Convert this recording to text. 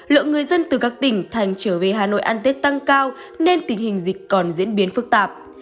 lượng người dân từ các tỉnh thành trở về hà nội ăn tết tăng cao nên tình hình dịch còn diễn biến phức tạp